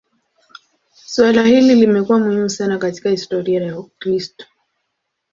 Suala hili limekuwa muhimu sana katika historia ya Ukristo.